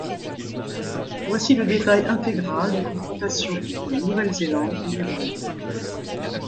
Voici le détail intégral des confrontations entre la Nouvelle-Zélande et l'Irlande.